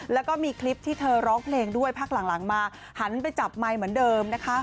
แล้วก็มีคลิปที่เธอร้องเพลงด้วยพักหลังมาหันไปจับไมค์เหมือนเดิมนะคะ